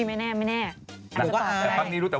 ไม่มีคนพูดรู้รับไปก่อนสวัสดีครับ